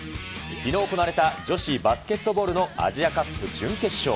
きのう行われた女子バスケットボールのアジアカップ準決勝。